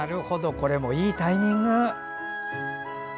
これもいいタイミング。